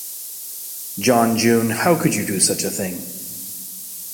John June, how could you do such a thing?